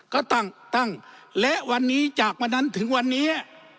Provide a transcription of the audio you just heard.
ก็ตั้งตั้งและวันนี้จากวันนั้นถึงวันนี้